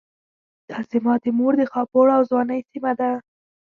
دا زما د مور د خاپوړو او ځوانۍ سيمه ده.